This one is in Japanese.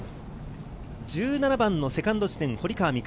１７番のセカンド地点、堀川未来